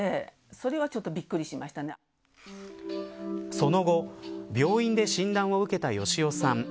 その後、病院で診断を受けた好夫さん。